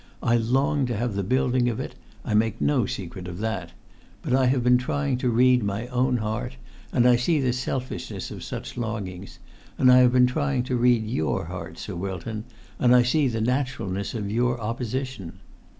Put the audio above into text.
I long to have the building of it. I make no secret of that. But I have been trying to read my own heart, and I see the selfishness of such longings; and I have been trying to read your heart, Sir Wilton, and I see the naturalness of your opposition.